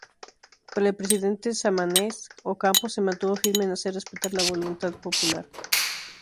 Pero el presidente Samanez Ocampo se mantuvo firme en hacer respetar la voluntad popular.